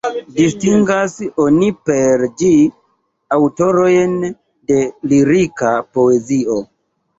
Distingas oni per ĝi aŭtorojn de lirika poezio.